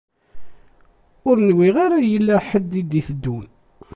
Ur nwiɣ ara yella ḥedd i d-iteddun.